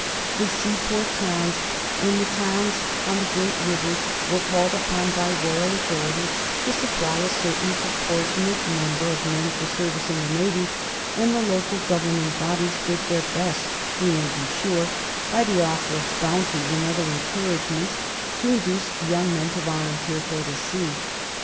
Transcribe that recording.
The seaport towns and the towns on the great rivers were called upon by royal authority to supply a certain proportionate number of men for service in the Navy, and the local governing bodies did their best, we may be sure, by the offer of bounties and other encouragements, to induce young men to volunteer for the sea.